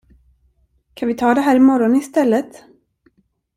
Kan vi ta det här imorgon istället?